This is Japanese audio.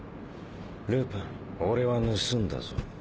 ルパン俺は盗んだぞ。